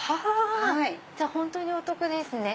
じゃあ本当にお得ですね。